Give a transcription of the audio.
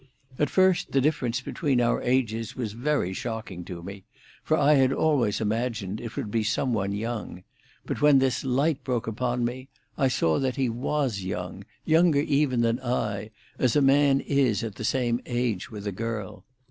At first the difference between our ages was very shocking to me; for I had always imagined it would be some one young; but when this light broke upon me, I saw that he was young, younger even than I, as a man is at the same age with a girl.